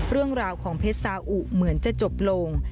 เรื่องราวของเพชรสาอุเหมือนจะจบลง